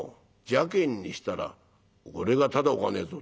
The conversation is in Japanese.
邪けんにしたら俺がただおかねえぞ』